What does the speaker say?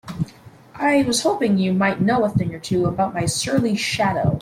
I was hoping you might know a thing or two about my surly shadow?